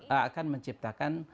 tentu ini akan menciptakan